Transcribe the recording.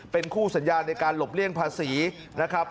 เป็นคู่สัญญาในการหลบเลี่ยงภาษีนะครับ